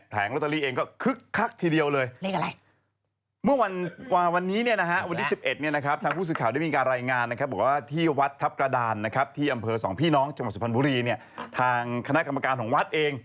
พี่น้องจังหวัดสุภัณฑุรีทางคณะกรรมการของวัดเอง